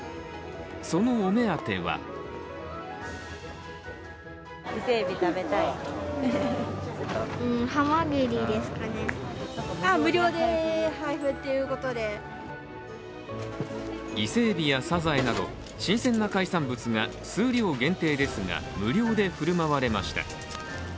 そのお目当ては伊勢えびやさざえなど、新鮮な海産物が数量限定ですが無料で振る舞われました。